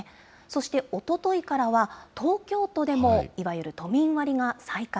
そしておとといからは、東京都でもいわゆる都民割が再開。